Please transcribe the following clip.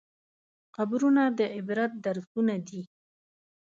قبرونه د عبرت درسونه دي.